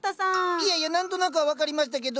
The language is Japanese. いやいや何となくは分かりましたけどどうしました？